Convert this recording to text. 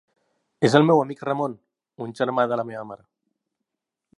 És el meu amic Ramon, un germà de la meva mare.